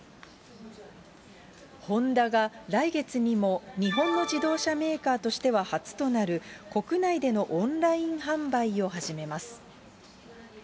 ホンダが来月にも日本の自動車メーカーとしては初となる国内でのオンライン販売を始めます。